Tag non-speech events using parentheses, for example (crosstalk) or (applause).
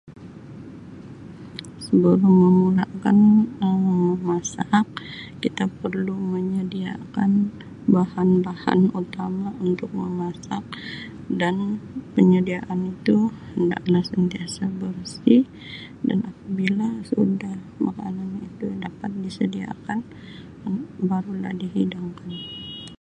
Sebelum memulakan Um memasak kita perlu menyediakan bahan-bahan utama untuk memasak dan penyediaan itu hendak lah sentiasa bersih dan apabila sudah makanan itu dapat disediakan baru lah dihidangkan. (noise)